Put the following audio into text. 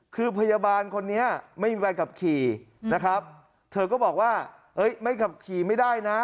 คือพยาบาลคนนี้ไม่มีใบขับขี่นะครับเธอก็บอกว่าเฮ้ยไม่ขับขี่ไม่ได้นะ